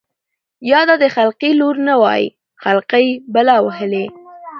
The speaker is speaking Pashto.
يا دا د خلقي لـور نه وای خـلقۍ بلا وهـلې.